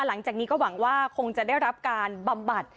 หลังจากนี้ก็หวังว่าคงจะได้รับการบำบัด